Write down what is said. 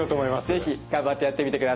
是非頑張ってやってみてください。